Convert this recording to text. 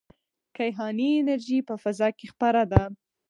کیهاني انرژي په فضا کې خپره ده.